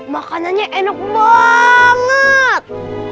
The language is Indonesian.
makanannya enak banget